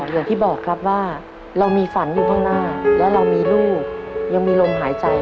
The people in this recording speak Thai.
อย่างที่บอกครับว่าเรามีฝันอยู่ข้างหน้าและเรามีลูกยังมีลมหายใจ